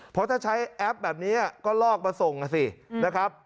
เพราะถ้าใช้แอปแบบนี้ก็ลอกมาส่งอ่ะสินะครับ